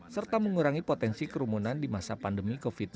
serta mengurangi potensi kerumunan di masa pandemi covid sembilan belas